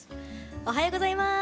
おはようございます。